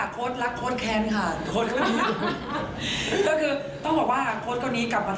เพราะว่าโค้ดคนนี้ค่ะ